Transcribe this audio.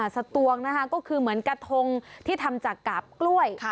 สตวงนะคะก็คือเหมือนกระทงที่ทำจากกาบกล้วย